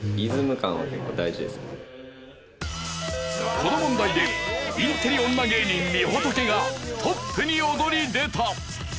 この問題でインテリ女芸人みほとけがトップに躍り出た！